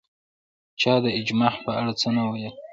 چا د اجماع په اړه څه نه ویل